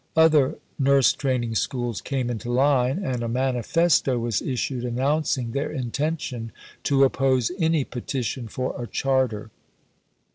Other nurse training schools came into line, and a manifesto was issued announcing their intention to oppose any petition for a Charter.